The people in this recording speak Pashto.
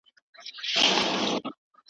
تاسو باید د هرې ستونزي لپاره تدبیر ونیسئ.